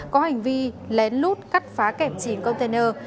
có hành vi lén lút cắt phá kẹp chín container